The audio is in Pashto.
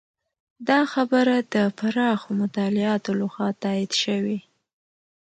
دا خبره د پراخو مطالعاتو لخوا تایید شوې.